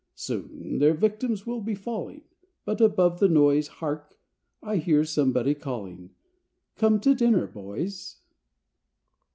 Soon their victims will be falling But, above the noise, Hark! I hear somebody calling, "Come to dinner, boys!"